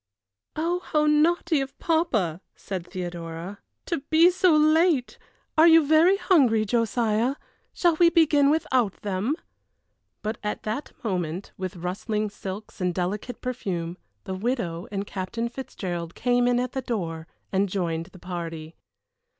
"Oh, how naughty of papa," said Theodora, "to be so late! Are you very hungry, Josiah? Shall we begin without them?" But at that moment, with rustling silks and delicate perfume, the widow and Captain Fitzgerald came in at the door and joined the party.